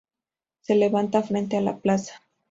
Se levanta frente a la plaza.